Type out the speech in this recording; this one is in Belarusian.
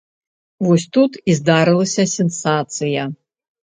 Вось тут і здарылася сенсацыя.